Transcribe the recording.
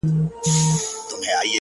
سایه یې نسته او دی روان دی!